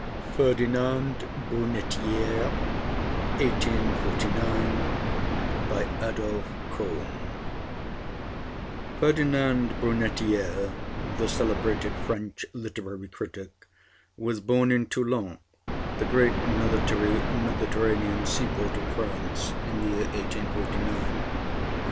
FERDINAND BRUNETIÈRE (1849 ) BY ADOLPHE COHN Ferdinand Brunetière, the celebrated French literary critic, was born in Toulon, the great military Mediterranean sea port of France, in the year 1849.